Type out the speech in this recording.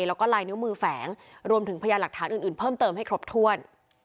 แล้วก็ลายนิ้วมือแฝงรวมถึงพยานหลักฐานอื่นเพิ่มเติมให้ครบถ้วน